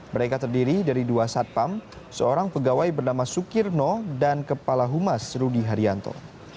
mereka terdiri dari dua satpam seorang pegawai bernama sukirno dan kepala humas rudy haryanto